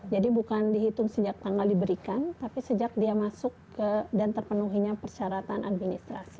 jadi bukan dihitung sejak tanggal diberikan tapi sejak dia masuk dan terpenuhinya persyaratan administrasi